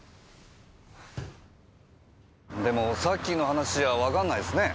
でもさっきの話じゃわかんないっすね。